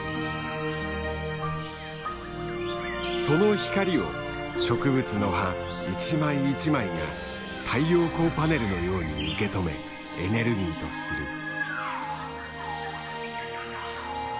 その光を植物の葉一枚一枚が太陽光パネルのように受け止めエネルギーとする。